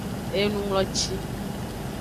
Enungloci.